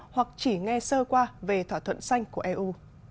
hoặc chỉ nghe sơ qua về thỏa thuận xanh của eu